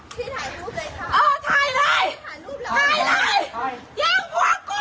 พี่ถ่ายรูปเลยค่ะเออถ่ายเลยถ่ายรูปแล้วถ่ายเลยใช่แยกหัวกู